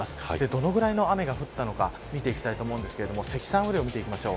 どのくらいの雨が降ったのか見ていきたいと思うんですが積算雨量、見ていきます。